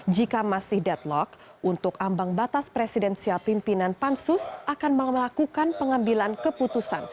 jika masih deadlock untuk ambang batas presidensial pimpinan pansus akan melakukan pengambilan keputusan